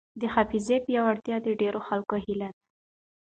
د حافظې پیاوړتیا د ډېرو خلکو هیله ده.